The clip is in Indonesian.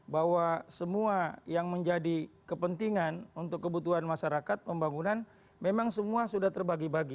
bahwa semua yang menjadi kepentingan untuk kebutuhan masyarakat pembangunan memang semua sudah terbagi bagi